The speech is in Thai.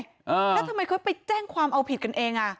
แล้วทำไมเขาไปแจ้งความเอาผิดกันเองอ่ะ